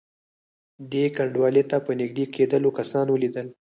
دې کنډوالې ته په نږدې کېدلو کسان ولیدل.